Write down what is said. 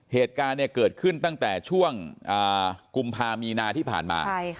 เหตุการณ์เกิดขึ้นตั้งแต่ช่วงกุมภามีนาที่ผ่านมา